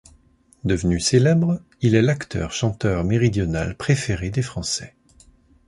Devenu célèbre, il est l'acteur-chanteur méridional préféré des français.